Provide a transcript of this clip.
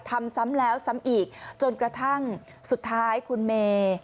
ซ้ำแล้วซ้ำอีกจนกระทั่งสุดท้ายคุณเมย์